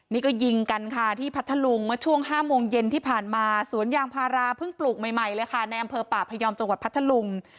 นี่ก็ยิงกันค่ะที่พัทธลุงเมื่อช่วง๕โมงเย็นที่ผ่านมาสวนยางพาราเพิ่งปลูกใหม่เลยค่ะในอำเภอป่าพยอมจังหวัดพัทธลุง